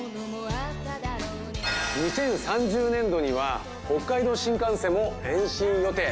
２０３０年度には北海道新幹線も延伸予定。